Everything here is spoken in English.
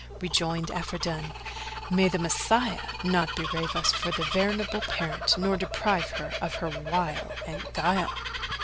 Rejoined Afridun, "May the Messiah not bereave us of thy venerable parent nor deprive her of her wile and guile!"